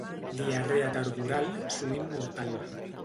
Diarrea tardoral, sovint mortal.